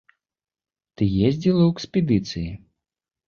Ты ездзіла ў экспедыцыі?